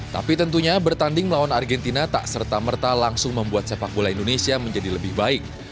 tapi tentunya bertanding melawan argentina tak serta merta langsung membuat sepak bola indonesia menjadi lebih baik